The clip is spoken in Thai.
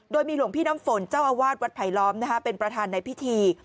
โดยมีหลวงพี่น้ำฝนเจ้าอาวาสวัดไผลล้อมเป็นประธานในพิธี